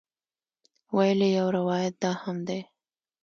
ویل یې یو روایت دا هم دی.